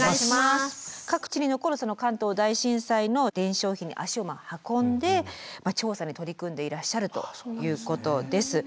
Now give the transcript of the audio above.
各地に残るその関東大震災の伝承碑に足を運んで調査に取り組んでいらっしゃるということです。